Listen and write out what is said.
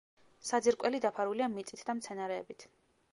საძირკველი დაფარულია მიწით და მცენარეებით.